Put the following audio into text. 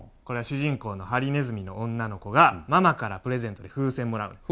主人公のハリネズミの女の子が、ママからプレゼントで風船をもらう。